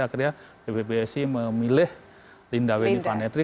akhirnya bb pbsi memilih linda weni vanetri